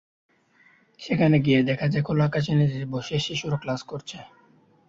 সেখানে গিয়ে দেখা যায়, খোলা আকাশের নিচে বসে শিশুরা ক্লাস করছে।